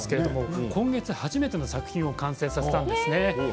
今月、初めての作品を完成させたんですね。